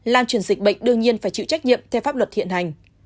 lan truyền dịch bệnh đương nhiên phải chịu trách nhiệm theo pháp luật hiện hành